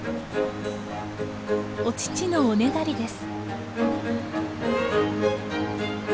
お乳のおねだりです。